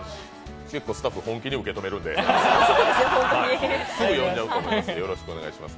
結構、スタッフ本気で受け止めるんですぐ呼んじゃうと思います。